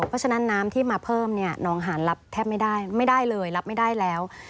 เพราะฉะนั้นน้ำที่มาเพิ่มเนี่ยน้องหานรับแทบไม่ได้ไม่ได้เลยรับไม่ได้แล้ว